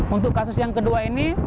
untuk kasus yang kedua ini